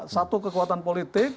satu kekuatan politik